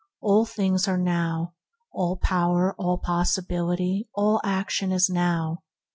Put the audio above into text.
All things are now; all power, all possibility, all action is now.